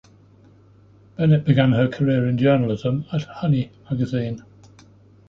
Bennett began her career in journalism at "Honey" magazine.